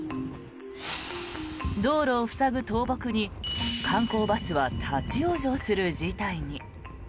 道路を塞ぐ倒木に観光バスは立ち往生する事態に。